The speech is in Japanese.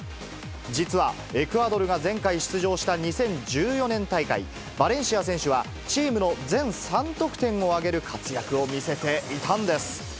実はエクアドルが前回出場した２０１４年大会、バレンシア選手はチームの全３得点をあげる活躍を見せていたんです。